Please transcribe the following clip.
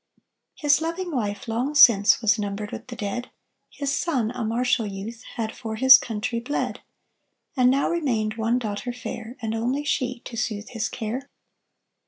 His loving wife long since Was numbered with the dead His son, a martial youth, Had for his country bled; And now remained One daughter fair, And only she, To soothe his care.